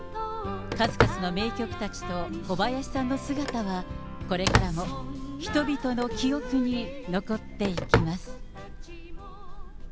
数々の名曲たちと、小林さんの姿は、これからも人々の記憶に残っていきます。